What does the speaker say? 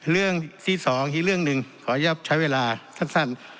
เรื่องที่สองอีกเรื่องหนึ่งขออนุญาตใช้เวลาสั้น